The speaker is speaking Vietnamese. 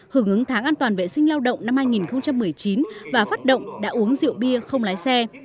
hưởng ứng tháng an toàn vệ sinh lao động năm hai nghìn một mươi chín và phát động đã uống rượu bia không lái xe